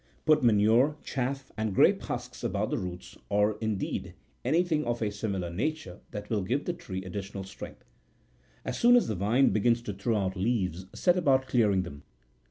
Put manure, chaff, and grape husks about the roots, or, in deed, anything of a similar nature that will give the tree ad ditional strength. As soon as the vine begins to throw out leaves, set about clearing them.